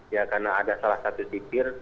ya karena ada salah satu sipir